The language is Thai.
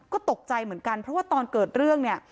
ก็ตกใจเหมือนกันเพราะว่าตอนเกิดเรื่องเนี่ย